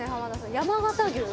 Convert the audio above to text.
山形牛？